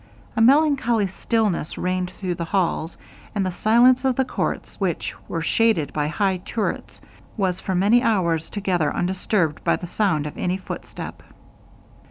A melancholy stillness reigned through the halls, and the silence of the courts, which were shaded by high turrets, was for many hours together undisturbed by the sound of any foot step.